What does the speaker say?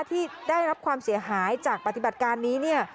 ที่ได้รับความเสียหายจากปฏิบัติการนี้เนี่ย